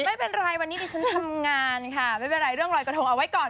ไม่เป็นไรวันนี้ดิฉันทำงานค่ะไม่เป็นไรเรื่องรอยกระทงเอาไว้ก่อน